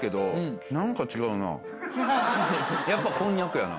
やっぱこんにゃくやな。